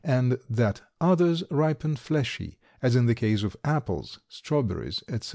and that others ripen fleshy, as in the case of apples, strawberries, etc.